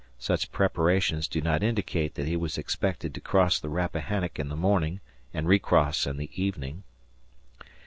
Such preparations do not indicate that he was expected to cross the Rappahannock in the morning and recross in the evening.